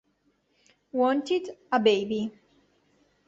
Wanted: A Baby